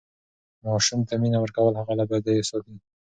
ماسوم ته مینه ورکول هغه له بدیو ساتي.